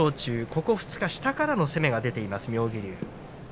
ここ２日、下からの攻めが出ています、妙義龍。